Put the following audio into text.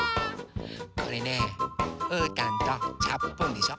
これねうーたんとチャップンでしょ